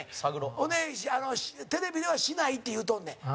ほんでテレビでは「しない」って言うとんねん。